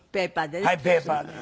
ペーパーでね。